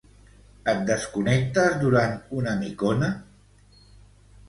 Et desconnectes durant una micona?